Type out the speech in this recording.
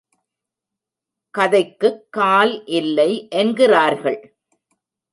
கதைக்குக் கால் இல்லை என்கிறார்கள்.